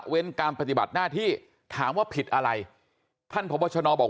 การปฏิบัติหน้าที่ถามว่าผิดอะไรท่านพบชนบอก